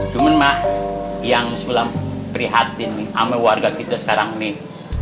cuman mah yang sulam prihatin sama warga kita sekarang nih